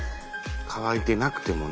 渇いてなくてもね。